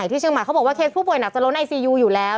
ที่เชียงใหม่เขาบอกว่าเคสผู้ป่วยหนักจะล้นไอซียูอยู่แล้ว